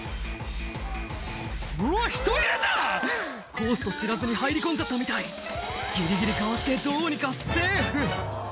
「うわ人いるじゃん！」コースと知らずに入り込んじゃったみたいギリギリかわしてどうにかセーフ